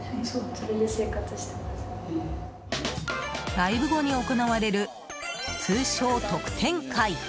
ライブ後に行なわれる通称・特典会。